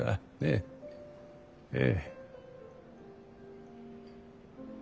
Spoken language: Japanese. ええ。